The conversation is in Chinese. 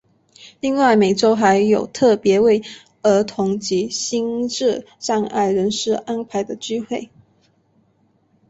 另外每周还有特别为儿童及心智障碍人士安排的聚会。